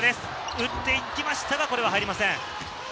打っていきましたが、これは入りません。